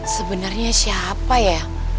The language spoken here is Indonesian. sebenernya siapa ya